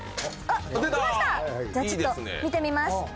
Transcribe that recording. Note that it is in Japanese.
じゃあちょっと見てみます。